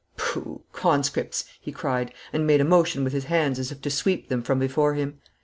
'Pooh, conscripts!' he cried, and made a motion with his hands as if to sweep them from before him.